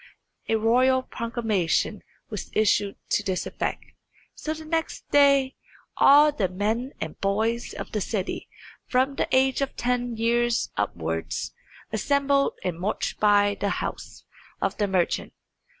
A royal proclamation was issued to this effect. So the next day all the men and boys of the city, from the age of ten years upwards, assembled and marched by the house of the merchant.